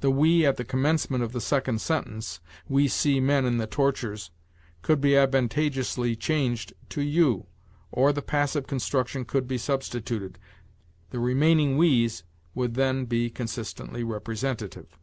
The 'we' at the commencement of the second sentence 'We see men in the tortures' could be advantageously changed to 'you,' or the passive construction could be substituted; the remaining we's would then be consistently representative.